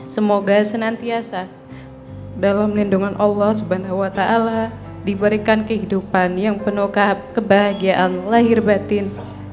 semoga senantiasa dalam lindungan allah swt diberikan kehidupan yang penuh kebahagiaan lahir batin